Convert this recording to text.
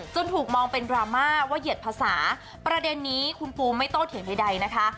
ถูกมองเป็นดราม่าว่าเหยียดภาษาประเด็นนี้คุณปูไม่โตเถียงใดนะคะ